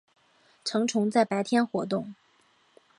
成虫在白天活动。